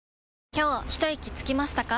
今日ひといきつきましたか？